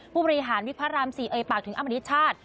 ผู้บริหารวิกพระราม๔เอ่ยปากถึงอมณิชชาติ